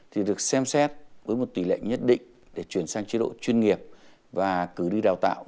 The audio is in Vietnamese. thì được xem xét với một tỷ lệ nhất định để chuyển sang chế độ chuyên nghiệp và cử đi đào tạo